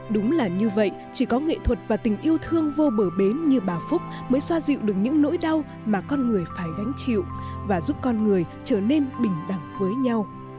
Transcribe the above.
đúng là như vậy chỉ có nghệ thuật và tình yêu thương vô bờ bến như bà phúc mới xoa dịu được những nỗi đau mà con người phải gánh chịu và giúp con người trở nên bình đẳng với nhau